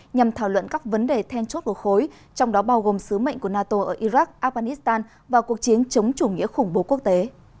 nhằm thảo luận các vấn đề then chốt lột khối trong đó bao gồm sứ mệnh của nato ở iraq afghanistan và cuộc chiến chống chủ nghĩa khủng bố quốc tế